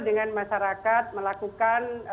dengan masyarakat melakukan